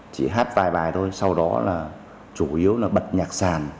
chỉ hát vài bài thôi sau đó là chủ yếu là bật nhạc sàn